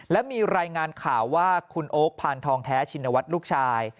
และมีรายงานข่าวว่าคุณโอ๊คพานทองแท้ชินวัฒน์ลูกชาย